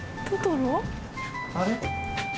あれ？